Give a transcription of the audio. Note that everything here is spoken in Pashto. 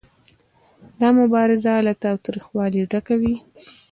دا مبارزه له تاوتریخوالي ډکه وي